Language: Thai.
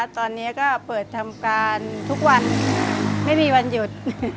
ตอนนี้ก็เปิดทำการทุกวันไม่มีวันหยุด